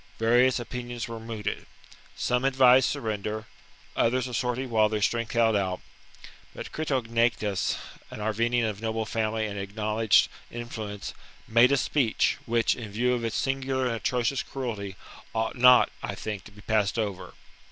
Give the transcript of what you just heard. Various opinions were mooted. Some advised surrender ; others a sortie while their strength held out ; but Critognatus, an Arvernian of noble family and acknowledged influence, made a speech, which, in view of its singular and atrocious cruelty, ought not, I think, ^ to be passed over.